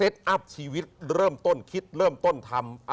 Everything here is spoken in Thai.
อัพชีวิตเริ่มต้นคิดเริ่มต้นทำ